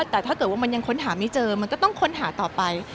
แต่ถ้าเกิดว่ามันยังค้นหาไม่เจอมันก็ต้องค้นหาต่อไป